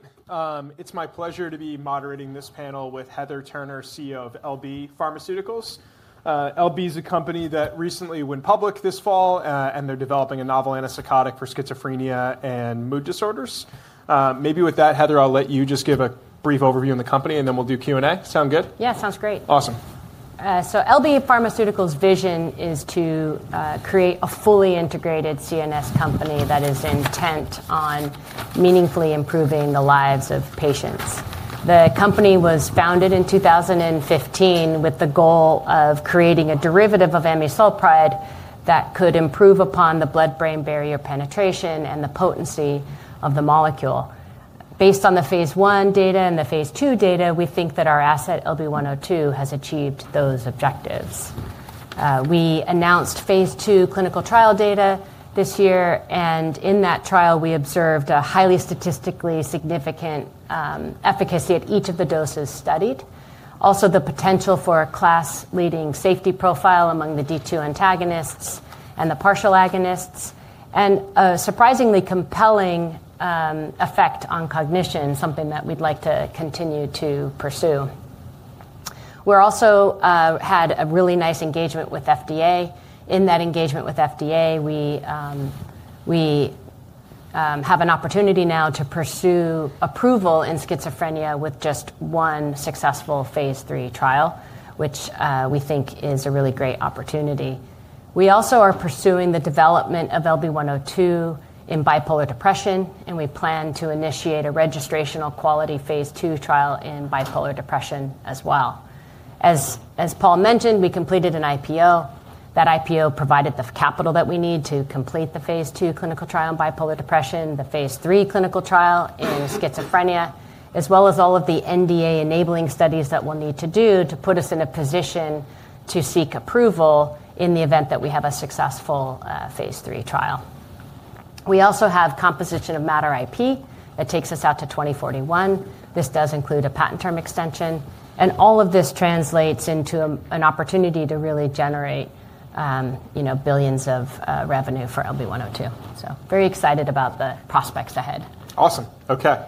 Great. It's my pleasure to be moderating this panel with Heather Turner, CEO of LB Pharmaceuticals. LB is a company that recently went public this fall, and they're developing a novel antipsychotic for schizophrenia and mood disorders. Maybe with that, Heather, I'll let you just give a brief overview on the company, and then we'll do Q&A. Sound good? Yeah, sounds great. Awesome. LB Pharmaceuticals' vision is to create a fully integrated CNS company that is intent on meaningfully improving the lives of patients. The company was founded in 2015 with the goal of creating a derivative of amisulpride that could improve upon the blood-brain barrier penetration and the potency of the molecule. Based on the phase I data and the phase II data, we think that our asset, LB-102, has achieved those objectives. We announced phase II clinical trial data this year, and in that trial, we observed a highly statistically significant efficacy at each of the doses studied. Also, the potential for a class-leading safety profile among the D2 antagonists and the partial agonists, and a surprisingly compelling effect on cognition, something that we'd like to continue to pursue. We also had a really nice engagement with FDA. In that engagement with FDA, we have an opportunity now to pursue approval in schizophrenia with just one successful phase III trial, which we think is a really great opportunity. We also are pursuing the development of LB-102 in bipolar depression, and we plan to initiate a registrational quality phase II trial in bipolar depression as well. As Paul mentioned, we completed an IPO. That IPO provided the capital that we need to complete the phase II clinical trial in bipolar depression, the phase III clinical trial in schizophrenia, as well as all of the NDA enabling studies that we'll need to do to put us in a position to seek approval in the event that we have a successful phase III trial. We also have composition of matter IP that takes us out to 2041. This does include a patent term extension, and all of this translates into an opportunity to really generate billions of revenue for LB-102. Very excited about the prospects ahead. Awesome. Okay.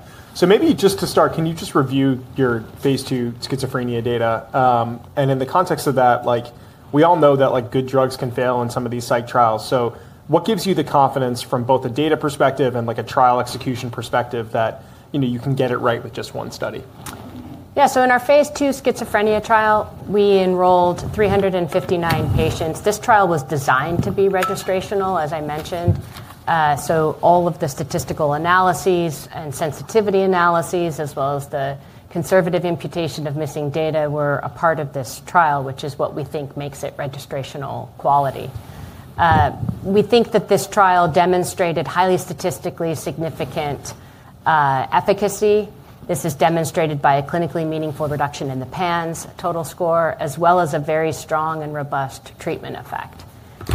Maybe just to start, can you just review your phase II schizophrenia data? In the context of that, we all know that good drugs can fail in some of these psych trials. What gives you the confidence from both a data perspective and a trial execution perspective that you can get it right with just one study? Yeah. In our phase II schizophrenia trial, we enrolled 359 patients. This trial was designed to be registrational, as I mentioned. All of the statistical analyses and sensitivity analyses, as well as the conservative imputation of missing data, were a part of this trial, which is what we think makes it registrational quality. We think that this trial demonstrated highly statistically significant efficacy. This is demonstrated by a clinically meaningful reduction in the PANSS total score, as well as a very strong and robust treatment effect.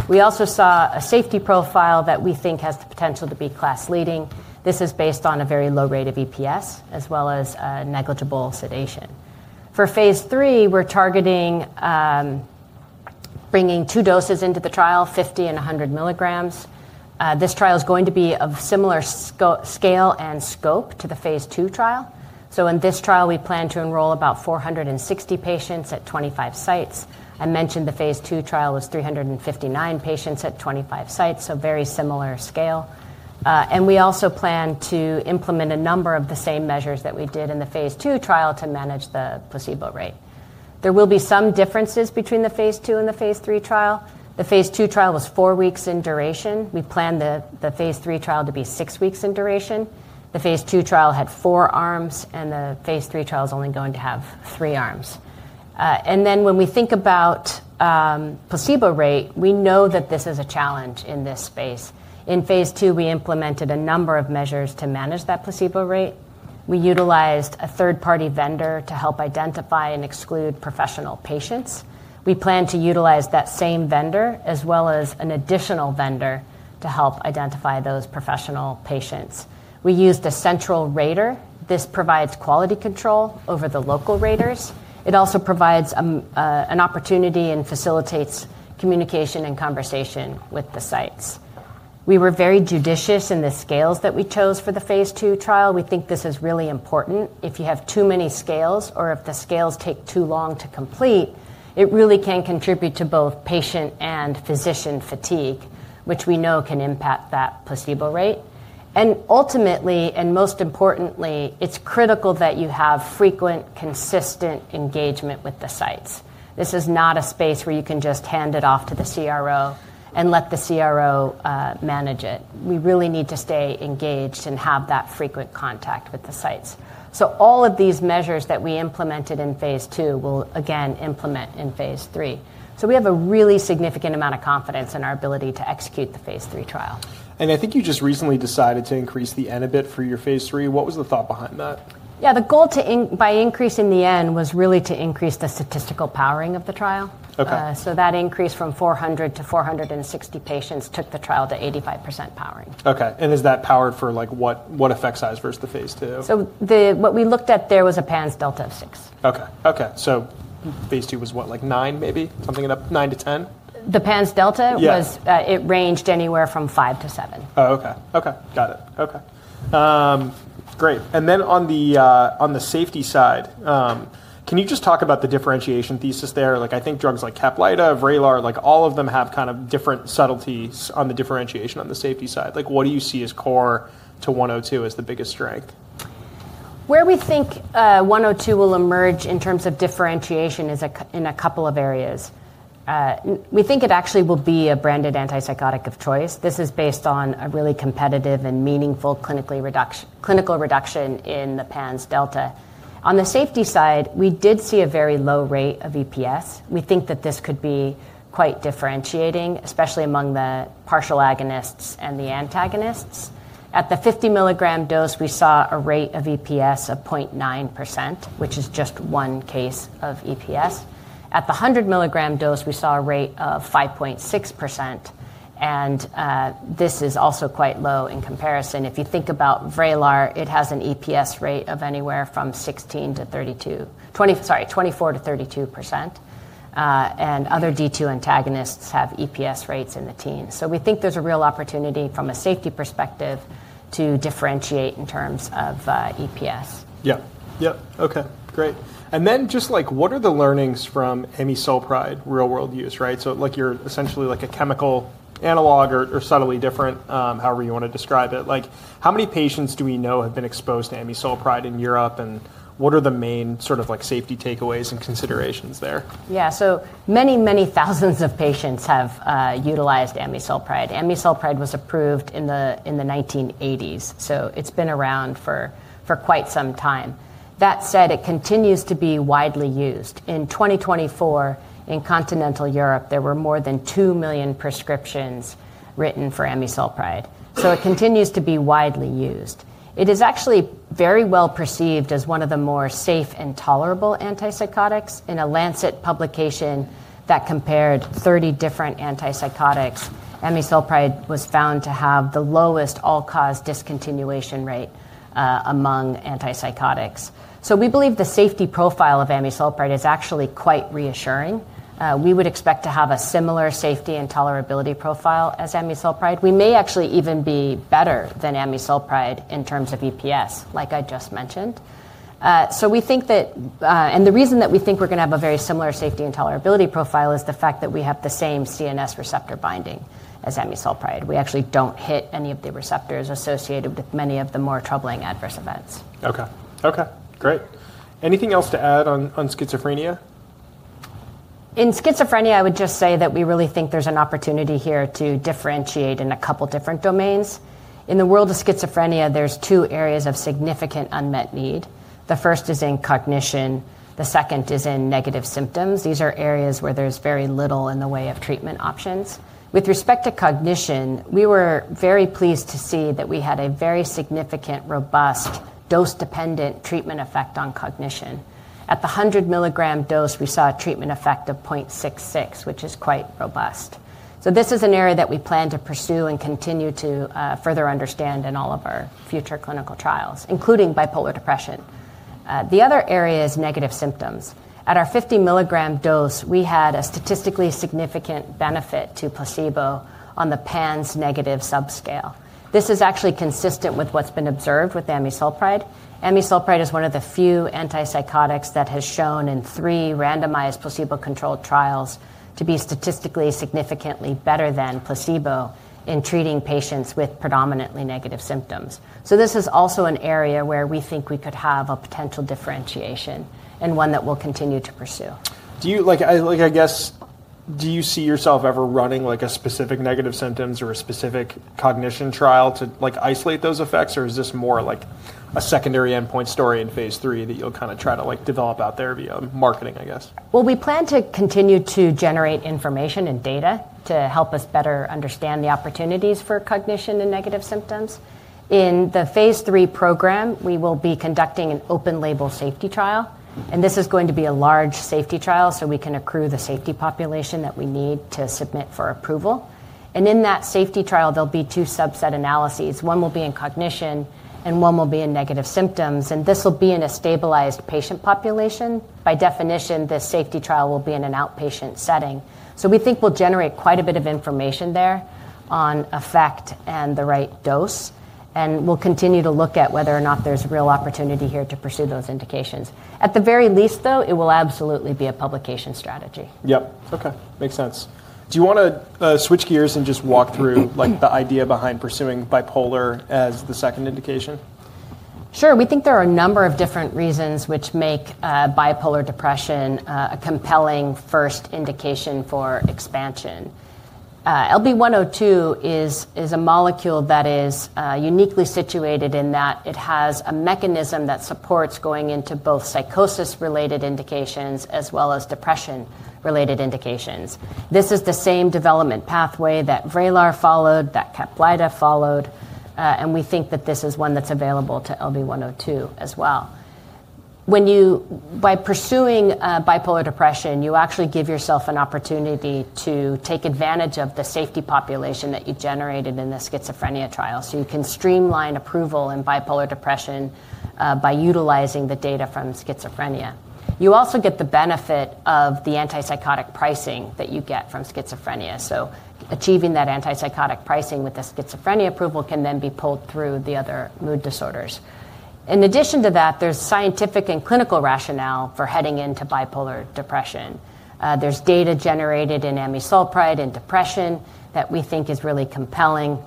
We also saw a safety profile that we think has the potential to be class-leading. This is based on a very low rate of EPS, as well as negligible sedation. For phase III, we're targeting bringing two doses into the trial, 50 mg-100 mg. This trial is going to be of similar scale and scope to the phase II trial. In this trial, we plan to enroll about 460 patients at 25 sites. I mentioned the phase II trial was 359 patients at 25 sites, so very similar scale. We also plan to implement a number of the same measures that we did in the phase II trial to manage the placebo rate. There will be some differences between the phase II and the phase III trial. The phase II trial was four weeks in duration. We planned the phase III trial to be six weeks in duration. The phase II trial had four arms, and the phase III trial is only going to have three arms. When we think about placebo rate, we know that this is a challenge in this space. In phase II, we implemented a number of measures to manage that placebo rate. We utilized a third-party vendor to help identify and exclude professional patients. We plan to utilize that same vendor, as well as an additional vendor, to help identify those professional patients. We used a central rater. This provides quality control over the local raters. It also provides an opportunity and facilitates communication and conversation with the sites. We were very judicious in the scales that we chose for the phase II trial. We think this is really important. If you have too many scales or if the scales take too long to complete, it really can contribute to both patient and physician fatigue, which we know can impact that placebo rate. Ultimately, and most importantly, it's critical that you have frequent, consistent engagement with the sites. This is not a space where you can just hand it off to the CRO and let the CRO manage it. We really need to stay engaged and have that frequent contact with the sites. All of these measures that we implemented in phase II will, again, implement in phase III. We have a really significant amount of confidence in our ability to execute the phase III trial. I think you just recently decided to increase the n a bit for your phase III. What was the thought behind that? Yeah. The goal by increasing the n was really to increase the statistical powering of the trial. So that increase from 400 to 460 patients took the trial to 85% powering. Okay. Is that powered for what effect size versus the phase II? What we looked at there was a PANSS delta of six. Okay. Okay. So phase II was what, like nine, maybe? Something nine to ten? The PANSS delta ranged anywhere from five-seven. Oh, okay. Okay. Got it. Okay. Great. On the safety side, can you just talk about the differentiation thesis there? I think drugs like CAPLYTA, VRAYLAR, all of them have kind of different subtleties on the differentiation on the safety side. What do you see as core to LB-102 as the biggest strength? Where we think LB-102 will emerge in terms of differentiation is in a couple of areas. We think it actually will be a branded antipsychotic of choice. This is based on a really competitive and meaningful clinical reduction in the PANSS delta. On the safety side, we did see a very low rate of EPS. We think that this could be quite differentiating, especially among the partial agonists and the antagonists. At the 50 mg dose, we saw a rate of EPS of 0.9%, which is just one case of EPS. At the 100 mg dose, we saw a rate of 5.6%. This is also quite low in comparison. If you think about VRAYLAR, it has an EPS rate of anywhere from 24%-32%. Other D2 antagonists have EPS rates in the teens. We think there's a real opportunity from a safety perspective to differentiate in terms of EPS. Yeah. Yeah. Okay. Great. And then just what are the learnings from amisulpride real-world use, right? So you're essentially like a chemical analog or subtly different, however you want to describe it. How many patients do we know have been exposed to amisulpride in Europe, and what are the main sort of safety takeaways and considerations there? Yeah. So many, many thousands of patients have utilized amisulpride. Amisulpride was approved in the 1980s, so it's been around for quite some time. That said, it continues to be widely used. In 2024, in continental Europe, there were more than 2 million prescriptions written for amisulpride. It continues to be widely used. It is actually very well perceived as one of the more safe and tolerable antipsychotics. In a Lancet publication that compared 30 different antipsychotics, amisulpride was found to have the lowest all-cause discontinuation rate among antipsychotics. We believe the safety profile of amisulpride is actually quite reassuring. We would expect to have a similar safety and tolerability profile as amisulpride. We may actually even be better than amisulpride in terms of EPS, like I just mentioned. We think that, and the reason that we think we're going to have a very similar safety and tolerability profile is the fact that we have the same CNS receptor binding as amisulpride. We actually don't hit any of the receptors associated with many of the more troubling adverse events. Okay. Okay. Great. Anything else to add on schizophrenia? In schizophrenia, I would just say that we really think there's an opportunity here to differentiate in a couple of different domains. In the world of schizophrenia, there's two areas of significant unmet need. The first is in cognition. The second is in negative symptoms. These are areas where there's very little in the way of treatment options. With respect to cognition, we were very pleased to see that we had a very significant, robust, dose-dependent treatment effect on cognition. At the 100 mg dose, we saw a treatment effect of 0.66x, which is quite robust. This is an area that we plan to pursue and continue to further understand in all of our future clinical trials, including bipolar depression. The other area is negative symptoms. At our 50 mg dose, we had a statistically significant benefit to placebo on the PANSS negative subscale. This is actually consistent with what's been observed with amisulpride. amisulpride is one of the few antipsychotics that has shown in three randomized placebo-controlled trials to be statistically significantly better than placebo in treating patients with predominantly negative symptoms. This is also an area where we think we could have a potential differentiation and one that we'll continue to pursue. I guess, do you see yourself ever running a specific negative symptoms or a specific cognition trial to isolate those effects, or is this more like a secondary endpoint story in phase III that you'll kind of try to develop out there via marketing, I guess? We plan to continue to generate information and data to help us better understand the opportunities for cognition and negative symptoms. In the phase III program, we will be conducting an open-label safety trial. This is going to be a large safety trial so we can accrue the safety population that we need to submit for approval. In that safety trial, there will be two subset analyses. One will be in cognition, and one will be in negative symptoms. This will be in a stabilized patient population. By definition, this safety trial will be in an outpatient setting. We think we'll generate quite a bit of information there on effect and the right dose. We'll continue to look at whether or not there's real opportunity here to pursue those indications. At the very least, though, it will absolutely be a publication strategy. Yep. Okay. Makes sense. Do you want to switch gears and just walk through the idea behind pursuing bipolar as the second indication? Sure. We think there are a number of different reasons which make bipolar depression a compelling first indication for expansion. LB-102 is a molecule that is uniquely situated in that it has a mechanism that supports going into both psychosis-related indications as well as depression-related indications. This is the same development pathway that VRAYLAR followed, that CAPLYTA followed. We think that this is one that is available to LB-102 as well. By pursuing bipolar depression, you actually give yourself an opportunity to take advantage of the safety population that you generated in the schizophrenia trial. You can streamline approval in bipolar depression by utilizing the data from schizophrenia. You also get the benefit of the antipsychotic pricing that you get from schizophrenia. Achieving that antipsychotic pricing with the schizophrenia approval can then be pulled through the other mood disorders. In addition to that, there's scientific and clinical rationale for heading into bipolar depression. There's data generated in amisulpride and depression that we think is really compelling.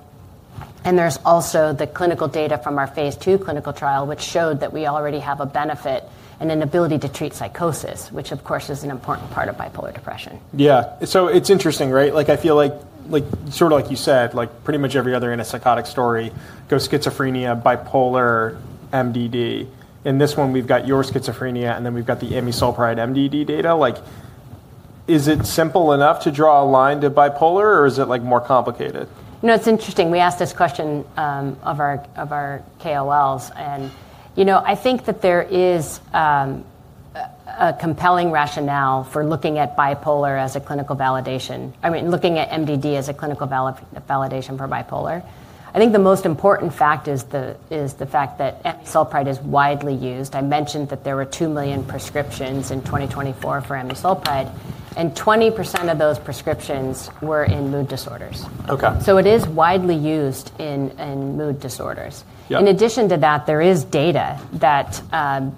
And there's also the clinical data from our phase II clinical trial, which showed that we already have a benefit and an ability to treat psychosis, which, of course, is an important part of bipolar depression. Yeah. So it's interesting, right? I feel like sort of like you said, pretty much every other antipsychotic story goes schizophrenia, bipolar, MDD. In this one, we've got your schizophrenia, and then we've got the amisulpride MDD data. Is it simple enough to draw a line to bipolar, or is it more complicated? You know, it's interesting. We asked this question of our KOLs. I think that there is a compelling rationale for looking at bipolar as a clinical validation, I mean, looking at MDD as a clinical validation for bipolar. I think the most important fact is the fact that amisulpride is widely used. I mentioned that there were 2 million prescriptions in 2024 for amisulpride, and 20% of those prescriptions were in mood disorders. It is widely used in mood disorders. In addition to that, there is data that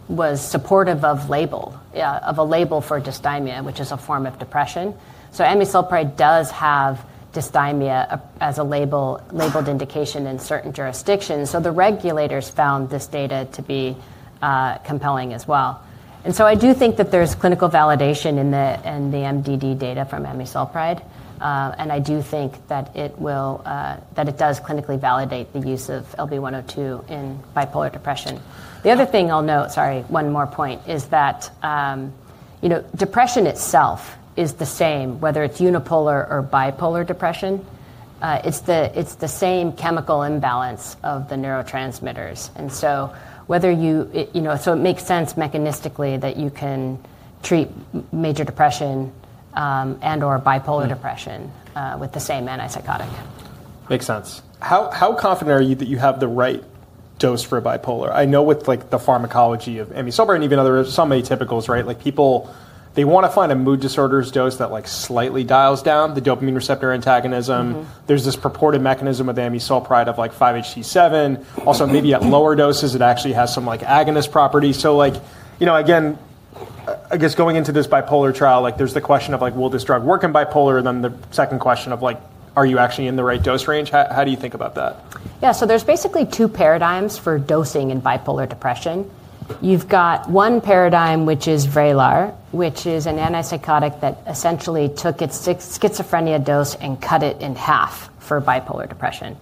was supportive of a label for dysthymia, which is a form of depression. amisulpride does have dysthymia as a labeled indication in certain jurisdictions. The regulators found this data to be compelling as well. I do think that there's clinical validation in the MDD data from amisulpride. I do think that it does clinically validate the use of LB-102 in bipolar depression. The other thing I'll note, sorry, one more point, is that depression itself is the same, whether it's unipolar or bipolar depression. It's the same chemical imbalance of the neurotransmitters. It makes sense mechanistically that you can treat major depression and/or bipolar depression with the same antipsychotic. Makes sense. How confident are you that you have the right dose for bipolar? I know with the pharmacology of amisulpride and even other some atypicals, right? People, they want to find a mood disorders dose that slightly dials down the dopamine receptor antagonism. There is this purported mechanism with amisulpride of 5-HT7. Also, maybe at lower doses, it actually has some agonist property. Again, I guess going into this bipolar trial, there is the question of, will this drug work in bipolar? And then the second question of, are you actually in the right dose range? How do you think about that? Yeah. So there's basically two paradigms for dosing in bipolar depression. You've got one paradigm, which is VRAYLAR, which is an antipsychotic that essentially took its schizophrenia dose and cut it in half for bipolar depression.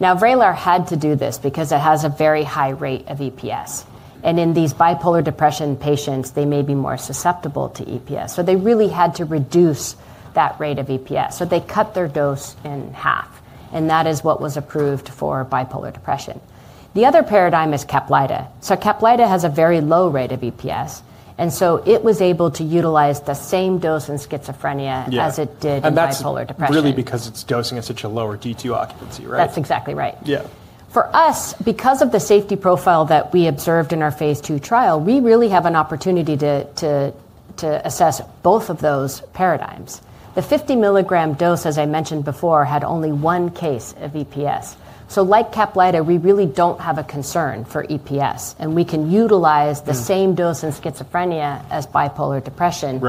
Now, VRAYLAR had to do this because it has a very high rate of EPS. In these bipolar depression patients, they may be more susceptible to EPS. They really had to reduce that rate of EPS. They cut their dose in half. That is what was approved for bipolar depression. The other paradigm is CAPLYTA. CAPLYTA has a very low rate of EPS. It was able to utilize the same dose in schizophrenia as it did in bipolar depression. Really because its dosing is such a lower D2 occupancy, right? That's exactly right. Yeah. For us, because of the safety profile that we observed in our phase II trial, we really have an opportunity to assess both of those paradigms. The 50 mg dose, as I mentioned before, had only one case of EPS. Like CAPLYTA, we really don't have a concern for EPS. We can utilize the same dose in schizophrenia as bipolar depression.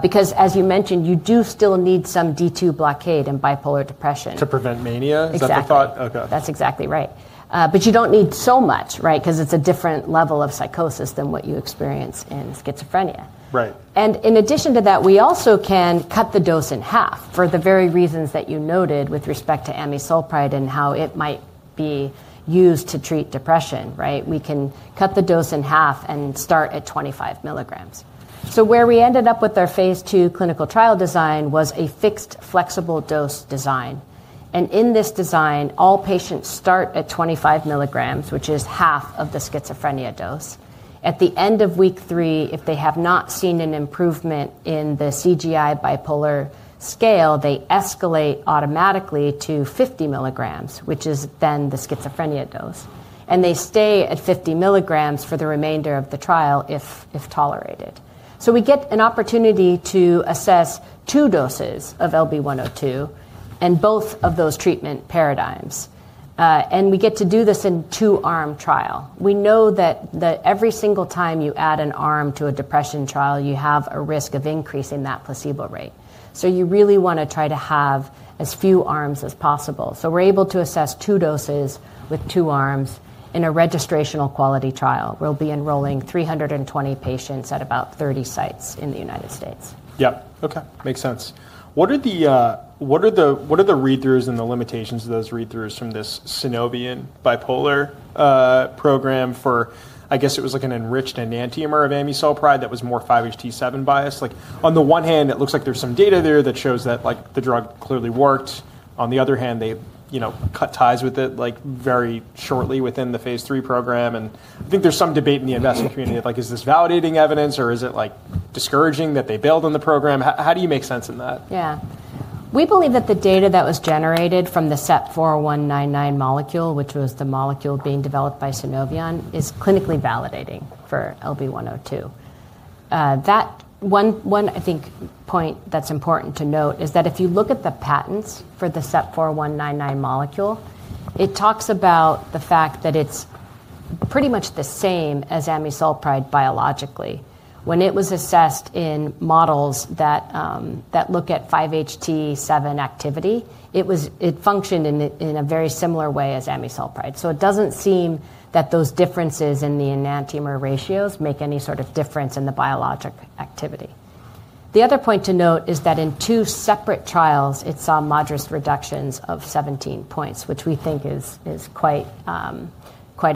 Because, as you mentioned, you do still need some D2 blockade in bipolar depression. To prevent mania? Is that the thought? Exactly. That's exactly right. You don't need so much, right? Because it's a different level of psychosis than what you experience in schizophrenia. In addition to that, we also can cut the dose in half for the very reasons that you noted with respect to amisulpride and how it might be used to treat depression, right? We can cut the dose in half and start at 25 mg. Where we ended up with our phase II clinical trial design was a fixed flexible dose design. In this design, all patients start at 25 mg, which is half of the schizophrenia dose. At the end of week three, if they have not seen an improvement in the CGI bipolar scale, they escalate automatically to 50 mg, which is then the schizophrenia dose. They stay at 50 mg for the remainder of the trial if tolerated. We get an opportunity to assess two doses of LB-102 and both of those treatment paradigms. We get to do this in a two-arm trial. We know that every single time you add an arm to a depression trial, you have a risk of increasing that placebo rate. You really want to try to have as few arms as possible. We're able to assess two doses with two arms in a registrational quality trial. We'll be enrolling 320 patients at about 30 sites in the United States. Yeah. Okay. Makes sense. What are the read-throughs and the limitations of those read-throughs from this Sunovion bipolar program for, I guess it was like an enriched enantiomer of amisulpride that was more 5-HT7 biased? On the one hand, it looks like there's some data there that shows that the drug clearly worked. On the other hand, they cut ties with it very shortly within the phase III program. I think there's some debate in the investment community of, is this validating evidence, or is it discouraging that they build on the program? How do you make sense in that? Yeah. We believe that the data that was generated from the SEP-4199 molecule, which was the molecule being developed by Sunovion, is clinically validating for LB-102. That one, I think, point that's important to note is that if you look at the patents for the SEP-4199 molecule, it talks about the fact that it's pretty much the same as amisulpride biologically. When it was assessed in models that look at 5-HT7 activity, it functioned in a very similar way as amisulpride. It doesn't seem that those differences in the enantiomer ratios make any sort of difference in the biologic activity. The other point to note is that in two separate trials, it saw modest reductions of 17 points, which we think is quite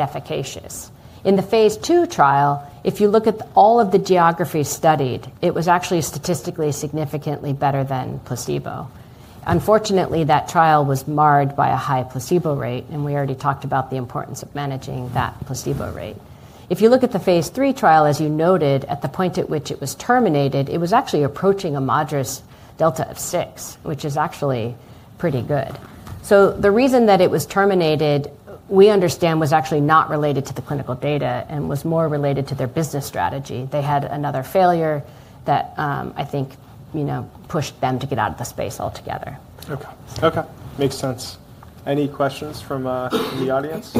efficacious. In the phase II trial, if you look at all of the geographies studied, it was actually statistically significantly better than placebo. Unfortunately, that trial was marred by a high placebo rate, and we already talked about the importance of managing that placebo rate. If you look at the phase III trial, as you noted, at the point at which it was terminated, it was actually approaching a moderate delta of 6, which is actually pretty good. The reason that it was terminated, we understand, was actually not related to the clinical data and was more related to their business strategy. They had another failure that I think pushed them to get out of the space altogether. Okay. Okay. Makes sense. Any questions from the audience?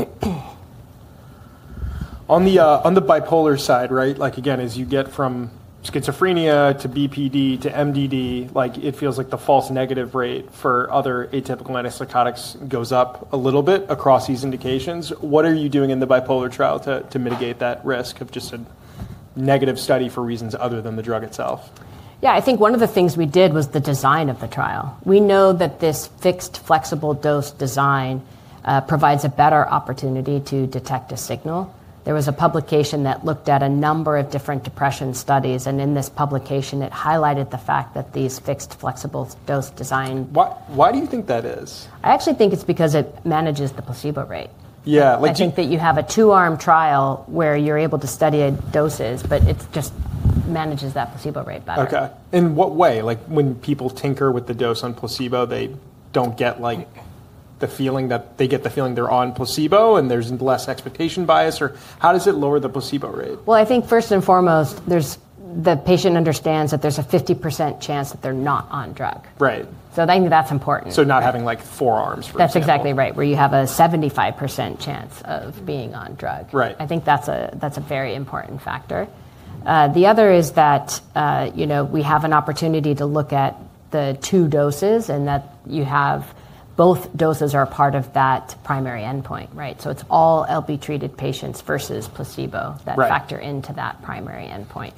On the bipolar side, right? Again, as you get from schizophrenia to BPD to MDD, it feels like the false negative rate for other atypical antipsychotics goes up a little bit across these indications. What are you doing in the bipolar trial to mitigate that risk of just a negative study for reasons other than the drug itself? Yeah. I think one of the things we did was the design of the trial. We know that this fixed flexible dose design provides a better opportunity to detect a signal. There was a publication that looked at a number of different depression studies, and in this publication, it highlighted the fact that these fixed flexible dose design. Why do you think that is? I actually think it's because it manages the placebo rate. I think that you have a two-arm trial where you're able to study doses, but it just manages that placebo rate better. Okay. In what way? When people tinker with the dose on placebo, they don't get the feeling that they get the feeling they're on placebo and there's less expectation bias? Or how does it lower the placebo rate? I think first and foremost, the patient understands that there's a 50% chance that they're not on drug. I think that's important. Not having four arms for example. That's exactly right, where you have a 75% chance of being on drug. I think that's a very important factor. The other is that we have an opportunity to look at the two doses and that both doses are part of that primary endpoint, right? It is all LB-treated patients versus placebo that factor into that primary endpoint.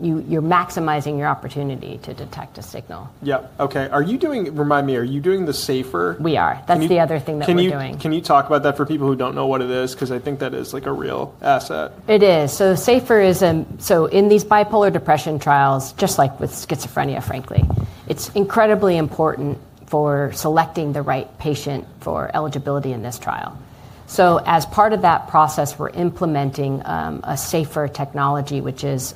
You are maximizing your opportunity to detect a signal. Yep. Okay. Remind me, are you doing the SAFER? We are. That's the other thing that we're doing. Can you talk about that for people who don't know what it is? Because I think that is a real asset. It is. SAFER is, in these bipolar depression trials, just like with schizophrenia, frankly, it's incredibly important for selecting the right patient for eligibility in this trial. As part of that process, we're implementing a SAFER technology, which is,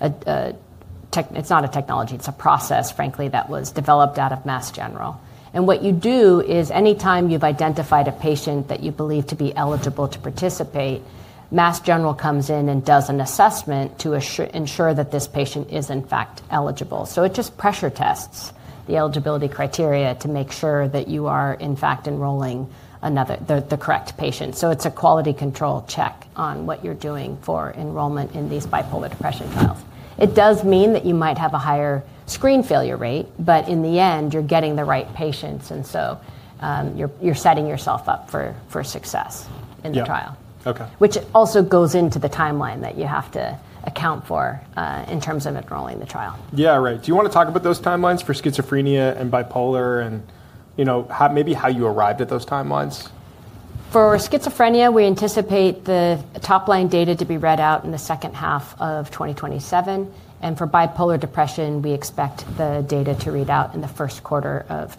it's not a technology, it's a process, frankly, that was developed out of Mass General. What you do is anytime you've identified a patient that you believe to be eligible to participate, Mass General comes in and does an assessment to ensure that this patient is, in fact, eligible. It just pressure tests the eligibility criteria to make sure that you are, in fact, enrolling the correct patient. It's a quality control check on what you're doing for enrollment in these bipolar depression trials. It does mean that you might have a higher screen failure rate, but in the end, you're getting the right patients. You're setting yourself up for success in the trial, which also goes into the timeline that you have to account for in terms of enrolling the trial. Yeah, right. Do you want to talk about those timelines for schizophrenia and bipolar and maybe how you arrived at those timelines? For schizophrenia, we anticipate the top line data to be read out in the second half of 2027. For bipolar depression, we expect the data to read out in the first quarter of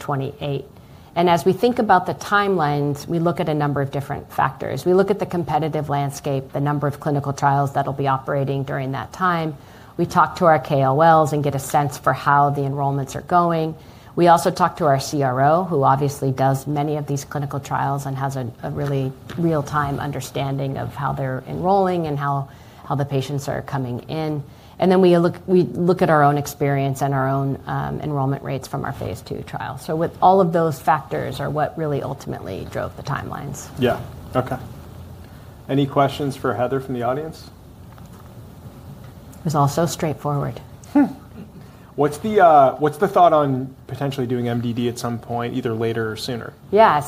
2028. As we think about the timelines, we look at a number of different factors. We look at the competitive landscape, the number of clinical trials that will be operating during that time. We talk to our KOLs and get a sense for how the enrollments are going. We also talk to our CRO, who obviously does many of these clinical trials and has a really real-time understanding of how they're enrolling and how the patients are coming in. We look at our own experience and our own enrollment rates from our phase II trial. All of those factors are what really ultimately drove the timelines. Yeah. Okay. Any questions for Heather from the audience? It was all so straightforward. What's the thought on potentially doing MDD at some point, either later or sooner? Yeah.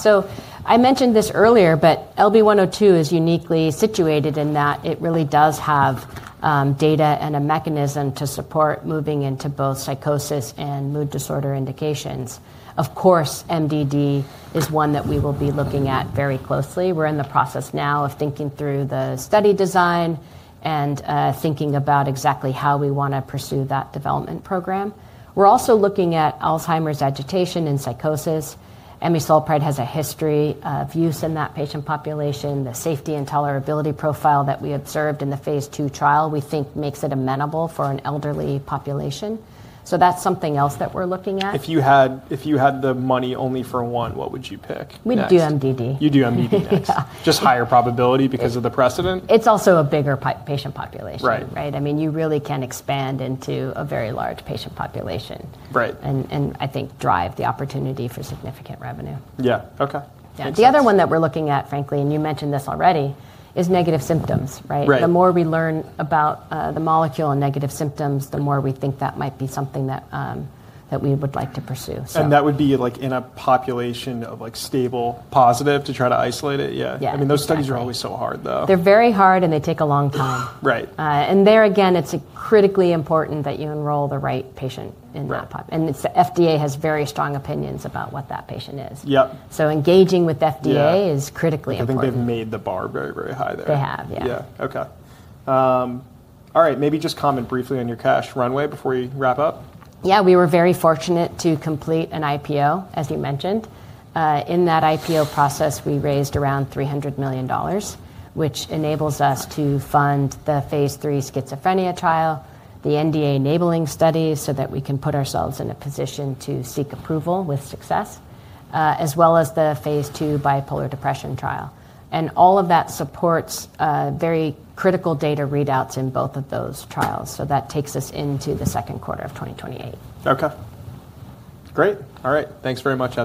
I mentioned this earlier, but LB-102 is uniquely situated in that it really does have data and a mechanism to support moving into both psychosis and mood disorder indications. Of course, MDD is one that we will be looking at very closely. We're in the process now of thinking through the study design and thinking about exactly how we want to pursue that development program. We're also looking at Alzheimer's agitation in psychosis. amisulpride has a history of use in that patient population. The safety and tolerability profile that we observed in the phase II trial, we think makes it amenable for an elderly population. That is something else that we're looking at. If you had the money only for one, what would you pick? We'd do MDD. You'd do MDD next. Just higher probability because of the precedent? It's also a bigger patient population, right? I mean, you really can expand into a very large patient population and I think drive the opportunity for significant revenue. Yeah. Okay. The other one that we're looking at, frankly, and you mentioned this already, is negative symptoms, right? The more we learn about the molecule and negative symptoms, the more we think that might be something that we would like to pursue. That would be like in a population of stable positive to try to isolate it? Yeah. I mean, those studies are always so hard, though. They're very hard and they take a long time. There, again, it's critically important that you enroll the right patient in that. The FDA has very strong opinions about what that patient is. Engaging with FDA is critically important. I think they've made the bar very, very high there. They have, yeah. Yeah. Okay. All right. Maybe just comment briefly on your cash runway before we wrap up. Yeah. We were very fortunate to complete an IPO, as you mentioned. In that IPO process, we raised around $300 million, which enables us to fund the phase III schizophrenia trial, the NDA enabling studies so that we can put ourselves in a position to seek approval with success, as well as the phase II bipolar depression trial. All of that supports very critical data readouts in both of those trials. That takes us into the second quarter of 2028. Okay. Great. All right. Thanks very much, Heather.